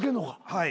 はい。